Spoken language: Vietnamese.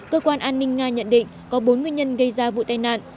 cơ quan an ninh nga nhận định có bốn nguyên nhân gây ra vụ tai nạn